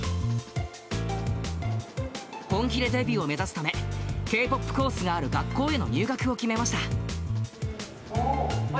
本気でデビューを目指すため、Ｋ−ＰＯＰコースがある学校への入学を決めました。